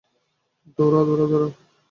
দৌড়াও, দৌড়াও, দৌড়াও!